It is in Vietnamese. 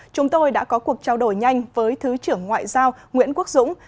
chúng tôi đã có cuộc trao đổi nhanh với thứ trưởng ngoại giao nguyễn quốc dũng